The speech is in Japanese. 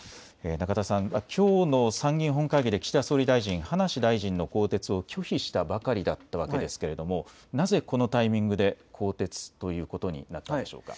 中田さん、きょうの参議院本会議で岸田総理大臣、葉梨大臣の更迭を拒否したばかりだったわけですがなぜこのタイミングで更迭ということになったんでしょうか。